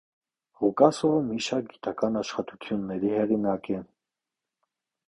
Ղուկասովը մի շարք գիտական աշխատությունների հեղինակ է։